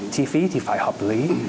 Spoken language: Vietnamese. chi phí thì phải hợp lý